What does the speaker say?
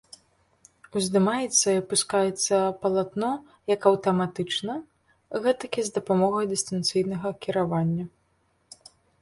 Уздымаецца і апускаецца палатно як аўтаматычна, гэтак і з дапамогай дыстанцыйнага кіравання.